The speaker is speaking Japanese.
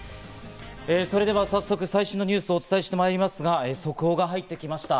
それでは早速、最新のニュースをお伝えしてまいりますが、速報が入ってきました。